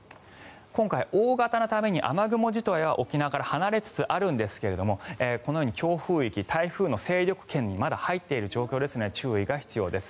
今回、大型のために雨雲自体は沖縄から離れつつあるんですがこのように強風域台風の勢力圏にまだ入っている状況ですので注意が必要です。